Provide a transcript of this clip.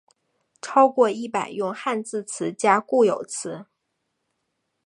超过一百用汉字词加固有词。